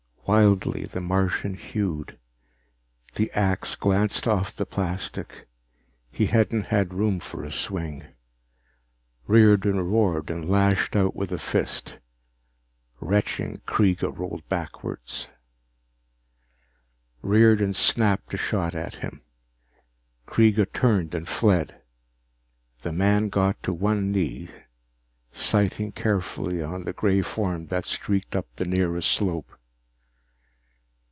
Wildly, the Martian hewed. The axe glanced off the plastic he hadn't had room for a swing. Riordan roared and lashed out with a fist. Retching, Kreega rolled backward. Riordan snapped a shot at him. Kreega turned and fled. The man got to one knee, sighting carefully on the gray form that streaked up the nearest slope.